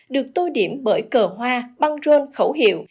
được tô điểm bởi cờ hoa băng rôn khẩu hiệu